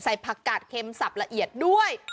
ผักกาดเค็มสับละเอียดด้วย